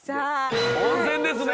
温泉ですね。